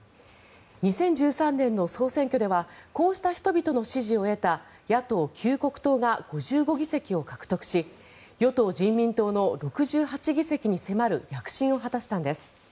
２０１３年の総選挙ではこうした人々の支持を得た野党・救国党が５５議席を獲得し与党・人民党の６８議席に迫る躍進を果たしたんです。